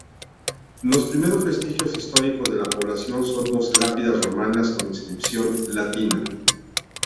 Los primeros vestigios históricos de la población son dos lápidas romanas con inscripción latina.